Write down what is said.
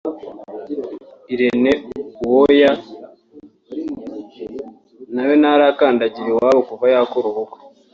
Irene Uwoya na we ntarakandagira iwabo kuva yakora ubukwe